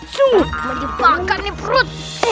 sungguh menjepakan nih perut